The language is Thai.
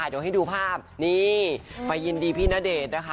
เดี๋ยวให้ดูภาพนี่ไปยินดีพี่ณเดชน์นะคะ